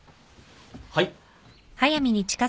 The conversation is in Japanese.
はい。